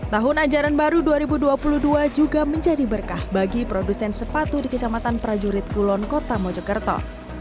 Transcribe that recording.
tahun ajaran baru dua ribu dua puluh dua juga menjadi berkah bagi produsen sepatu di kecamatan prajurit kulon kota mojokerto